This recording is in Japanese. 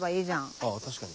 あぁ確かに。